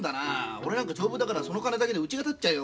俺なんか丈夫だからその金だけでうちが建っちゃうよ。